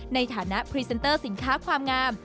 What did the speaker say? ในฐานะพรีเซนเตอร์สินค้าความงาม